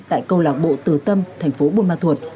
tại câu lạc bộ từ tâm thành phố buôn ma thuột